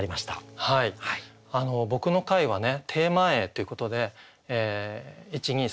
僕の回はねテーマ詠ということで１２３と違ってね